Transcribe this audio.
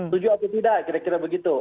setuju atau tidak kira kira begitu